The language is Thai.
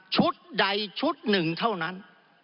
ใดชุดหนึ่งเท่านั้น